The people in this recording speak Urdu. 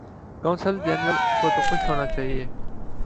قونصل جنرل کو تو خوش ہونا چاہیے۔